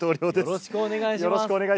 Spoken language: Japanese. よろしくお願いします。